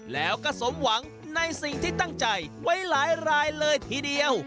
แล้วก็สมหวังในสิ่งที่ตั้งใจไว้หลายรายเลยทีเดียว